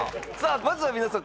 まずは皆さん